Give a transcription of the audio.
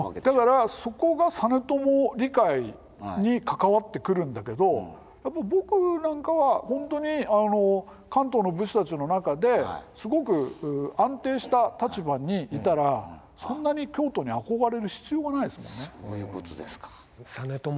だからそこが実朝理解に関わってくるんだけど僕なんかは本当に関東の武士たちの中ですごく安定した立場にいたらそんなに京都に憧れる必要がないですもんね。